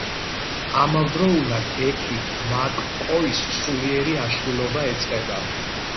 ამავდროულად ექიმ მაკ-კოის სულიერი აშლილობა ეწყება.